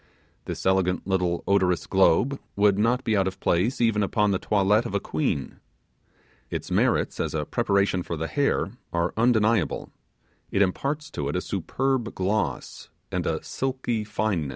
This elegant little odorous globe would not be out of place even upon the toilette of a queen. Its merits as a preparation for the hair are undeniable it imparts to it a superb gloss and a silky fineness.